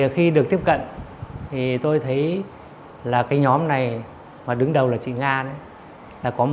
khi được tiếp cận tôi thấy nhóm này đứng đầu là chị nga